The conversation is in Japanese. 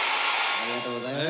ありがとうございます。